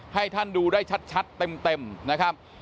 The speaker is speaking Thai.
ให้ท่านดูได้ชัดเต็มนะครับ